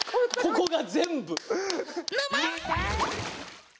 ここが全部。